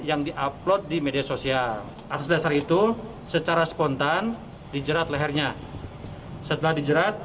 yang di upload di media sosial asas dasar itu secara spontan dijerat lehernya setelah dijerat